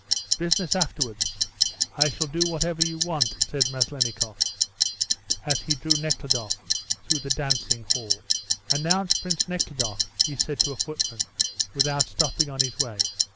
"Business after wards. I shall do whatever you want," said Meslennikoff, as he drew Nekhludoff through the dancing hall. "Announce Prince Nekhludoff," he said to a footman, without stopping on his way.